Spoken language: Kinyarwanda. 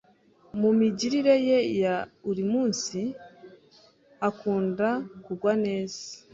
mu migirire ye ya uri munsi akunda kugwaneza